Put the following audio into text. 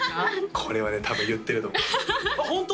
これはね多分言ってると思う「ホント！？